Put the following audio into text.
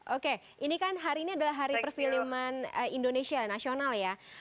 oke ini kan hari ini adalah hari perfilman indonesia nasional ya